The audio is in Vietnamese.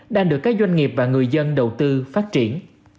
đang được các doanh nghiệp và người dân đầu tư phát triển